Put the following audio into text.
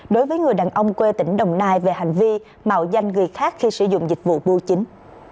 đối với người đàn ông quê tỉnh đồng nai về hành vi mạo danh người khác khi sử dụng dịch vụ bưu chính